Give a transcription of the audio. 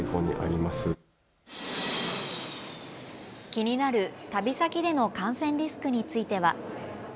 気になる旅先での感染リスクについては。